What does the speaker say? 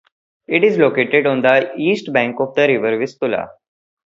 It is located on the east bank of the river Vistula.